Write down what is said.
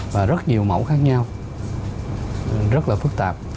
và rất nhiều mẫu khác nhau rất là phức tạp